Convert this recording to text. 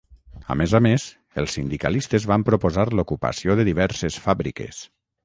A més a més, els sindicalistes van proposar l'ocupació de diverses fàbriques.